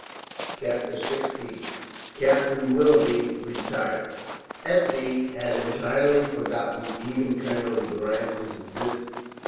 CHAPTER XVI CAPTAIN WILLOUGHBY RETIRES Ethne had entirely forgotten even Colonel Durrance's existence.